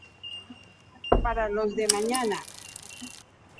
Para los de mañana.